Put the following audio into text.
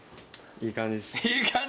「いい感じっす」。